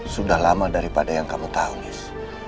sudah lama daripada yang kamu tahu